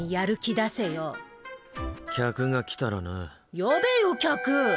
呼べよ客！